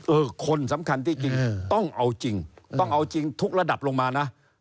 คนสำคัญที่จริงต้องเอาจริงต้องเอาจริงทุกระดับลงมานะ